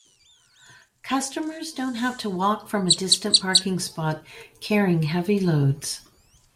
Customers don't have to walk from a distant parking spot carrying heavy loads.